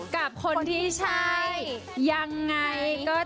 กับเพลงที่มีชื่อว่ากี่รอบก็ได้